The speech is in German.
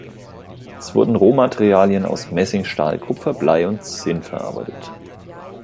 Es wurden Rohmaterialien aus Messing, Stahl, Kupfer, Blei und Zinn verarbeitet.